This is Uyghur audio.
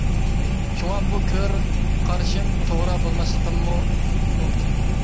شۇڭا بۇ كۆر قارىشىم توغرا بولماسلىقىمۇ مۇمكىن.